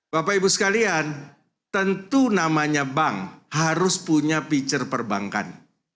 bapak ibu sekalian tentu namanya bank harus punya piture perbankan